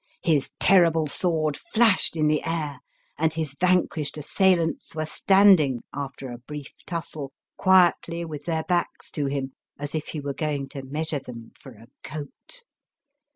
His terrible sword flashed in the air, and his vanquished assailants were standing, after a brief tussle, quietly with their backs to him as if he were going to measure them for a coat.